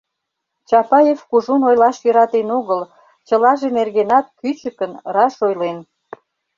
Чапаев кужун ойлаш йӧратен огыл: чылаже нергенат кӱчыкын, раш ойлен.